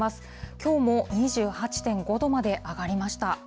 きょうも２８．５度まで上がりました。